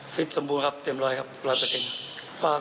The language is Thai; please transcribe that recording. สมบูรณ์ครับเต็มร้อยครับร้อยเปอร์เซ็นต์